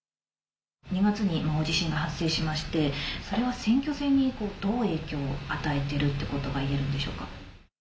２月に大地震が発生しましてそれは選挙戦に、どう影響を与えているということがいえるんでしょうか？